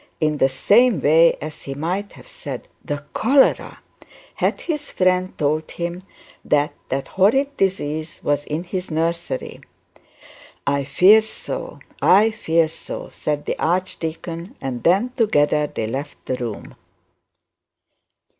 in the same way as he might have said, The Cholera!' had his friend told him that that horrid disease was in his nursery. 'I fear so, I fear so,' said the archdeacon, and then together they left the room.